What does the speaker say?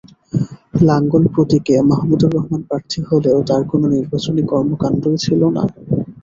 লাঙ্গল প্রতীকে মাহমুদুর রহমান প্রার্থী হলেও তাঁর কোনো নির্বাচনী কর্মকাণ্ডই ছিল না।